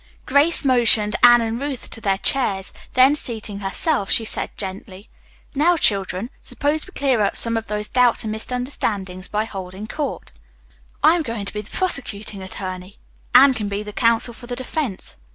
Grace motioned Anne and Ruth to their chairs, then seating herself she said gently: "Now, children, suppose we clear up some of these doubts and misunderstanding by holding court? I am going to be the prosecuting attorney. Anne can be the counsel for the defense.